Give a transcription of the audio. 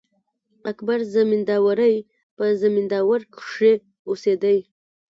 اکبر زمینداوری په زمینداور کښي اوسېدﺉ.